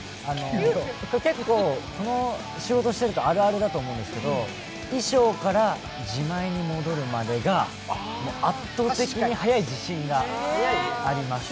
結構、この仕事してるとあるあるだと思うんですけど、衣装から自前に戻るまでが圧倒的に速い自信があります。